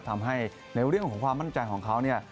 ทำให้ในเรื่องของความมั่นใจของเขาเนี่ย